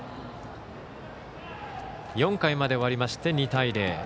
４回まで終わりまして、２対０。